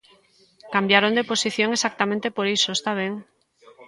Cambiaron de posición exactamente por iso, está ben.